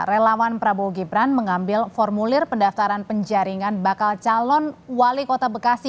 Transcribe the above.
relawan prabowo gibran mengambil formulir pendaftaran penjaringan bakal calon wali kota bekasi